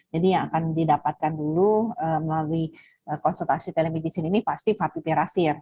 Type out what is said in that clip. jadi yang akan didapatkan dulu melalui konsultasi telemedicine ini pasti favivirapir